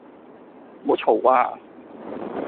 唔好嘈呀